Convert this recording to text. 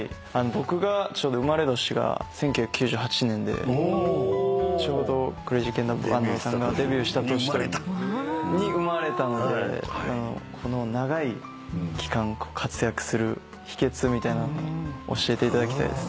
僕が生まれ年が１９９８年でちょうどクレイジーケンバンドさんがデビューした年。に生まれたのでこの長い期間活躍する秘訣みたいなの教えていただきたいです。